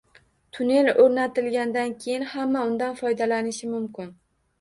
Tunnel o‘rnatilgandan keyin hamma undan foydalanishi mumkin